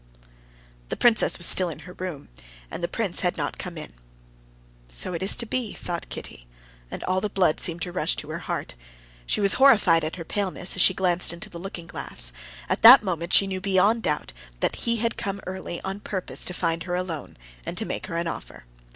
The princess was still in her room, and the prince had not come in. "So it is to be," thought Kitty, and all the blood seemed to rush to her heart. She was horrified at her paleness, as she glanced into the looking glass. At that moment she knew beyond doubt that he had come early on purpose to find her alone and to make her an offer.